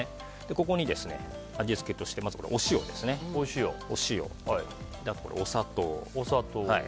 ここに味付けとしてまずお塩、お砂糖。